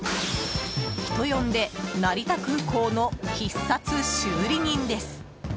人呼んで成田空港の必殺修理人です。